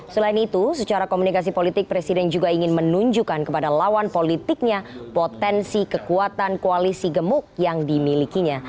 selain itu secara komunikasi politik presiden juga ingin menunjukkan kepada lawan politiknya potensi kekuatan koalisi gemuk yang dimilikinya